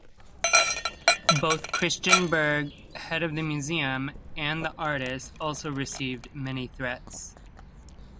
Both Kristian Berg, head of the museum, and the artists also received many threats.